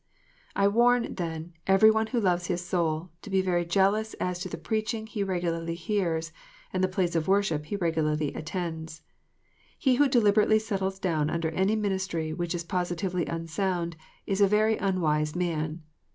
I warn, then, every one who loves his soul, to be very jealous as to the preaching he regularly hears, and the place of worship he regularly attends. He who deliberately settles down under any ministry which is positively unsound, is a very unwise man.